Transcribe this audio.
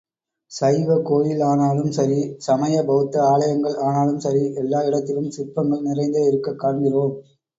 சைவக் கோயிலானாலும் சரி, சமண பௌத்த ஆலயங்கள் ஆனாலும் சரி எல்லா இடத்திலும் சிற்பங்கள் நிறைந்தே இருக்கக் காண்கிறோம்.